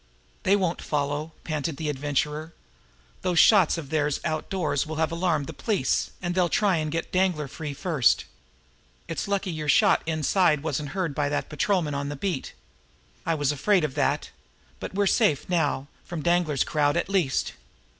"They won't follow!" panted the Adventurer. "Those shots of theirs outdoors will have alarmed the police, and they'll try and get Danglar free first. It's lucky your shot inside wasn't heard by the patrolman on the beat. I was afraid of that. But we're safe now from Danglar's crowd, at least."